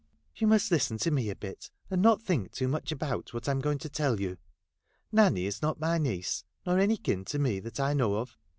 ' You must listen to me a bit, and not think too much about what I 'm going to tell you. Nanny is not my niece, nor any kin to me that I know of.